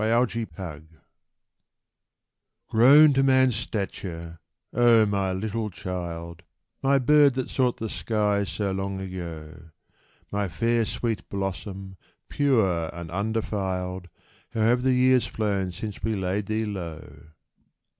TWENTY ONE Grown to man's stature ! O my little child ! My bird that sought the skies so long ago ! My fair, sweet blossom, pure and undefiled, How have the years flown since we laid thee low